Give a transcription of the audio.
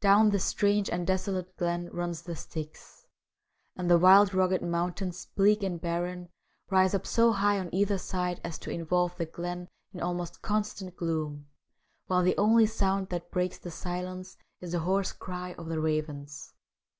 Down this strange and desolate glen runs the Styx, and the wild, rugged mountains, bleak and barren, rise up so high on either side as to involve the glen in almost constant gloom, while the only sound that breaks the silence is the hoarse cry of the ravens.